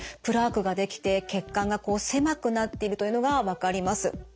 プラークができて血管が狭くなっているというのが分かります。